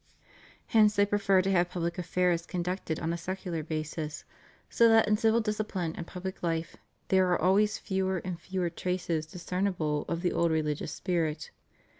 Hence they prefer to have public affairs conducted on a secular basis, so that in civil discipline and public life there are always fewer and fewer traces discernible of the old religious spirit.